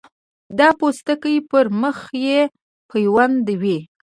دا پوستکی پر مخ یې پیوند وي.